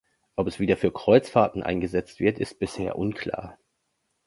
Ob es wieder für Kreuzfahrten eingesetzt wird, ist bisher unklar.